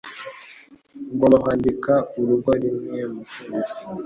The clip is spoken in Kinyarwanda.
Ugomba kwandika urugo rimwe mu kwezi.